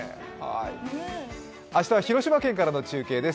明日は広島県からの中継です